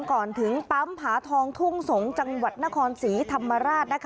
ก่อนถึงปั๊มผาทองทุ่งสงศ์จังหวัดนครศรีธรรมราช